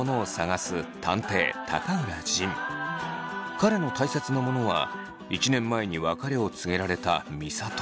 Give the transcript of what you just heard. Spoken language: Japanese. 彼のたいせつなものは１年前に別れを告げられた美里。